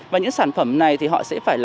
và những sản phẩm này thì họ sẽ phải